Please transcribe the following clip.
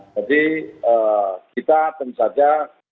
jadi kita tentu saja